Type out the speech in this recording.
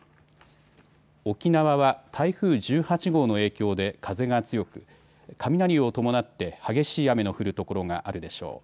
沖縄は台風１８号の影響で風が強く雷を伴って激しい雨の降る所があるでしょう。